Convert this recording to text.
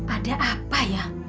ada apa ya